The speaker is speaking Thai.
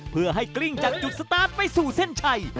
เพื่อให้กลิ้งจากจุดสตาร์ทไปสู่เส้นชัย